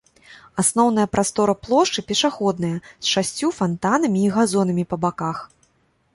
Асноўная прастора плошчы пешаходная, з шасцю фантанамі і газонамі па баках.